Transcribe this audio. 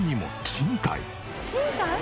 賃貸？